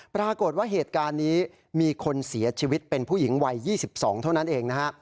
ปรากฏว่าเหตุการณ์นี้มีคนเสียชีวิตเป็นผู้หญิงวัย๒๒เท่านั้นเองนะฮะ